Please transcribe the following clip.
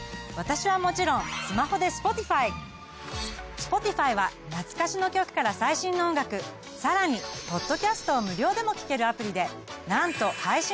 Ｓｐｏｔｉｆｙは懐かしの曲から最新の音楽さらにポッドキャストを無料でも聞けるアプリでなんと配信楽曲は邦楽含め８，０００万